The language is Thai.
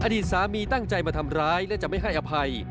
อดีตสามีตั้งใจมาทำร้ายและจะไม่ให้อภัย